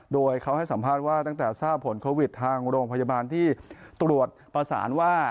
โดยเขาให้สัมภาษณ์ว่าตั้งแต่ทราบผลโควิดทางโรงพยาบาลที่ตรวจประสานว่า